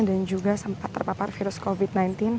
dan juga sempat terpapar virus covid sembilan belas